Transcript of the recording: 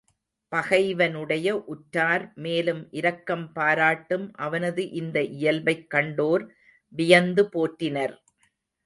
பகைவனுடைய உற்றார் மேலும் இரக்கம் பாராட்டும் அவனது இந்த இயல்பைக் கண்டோர் வியந்து போற்றினர்.